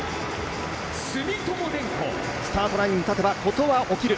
スタートラインに立てば、事は起きる。